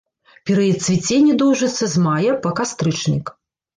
Перыяд цвіцення доўжыцца з мая па кастрычнік.